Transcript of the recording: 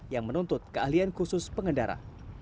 yang menuntut keahlian khusus pengendara